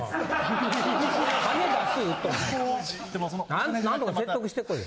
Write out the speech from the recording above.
何とか説得してこいよ。